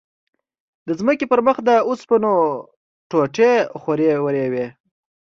د ځمکې پر مخ د اوسپنو ټوټې خورې ورې وې.